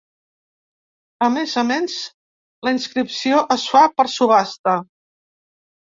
A més a més la inscripció es fa per subhasta.